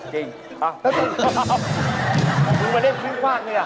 เพราะคุณมาเล่นฮิ่งฟอร์เนี่ย